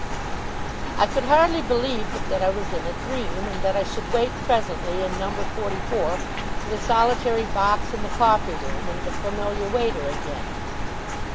I could hardly believe but that I was in a dream, and that I should wake presently in number forty four, to the solitary box in the coffee room and the familiar waiter again.